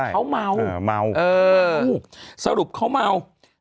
เขาเมาเมาสรุปเขาเมา